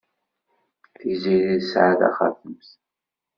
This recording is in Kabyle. Tiziri tesɛa taxatemt.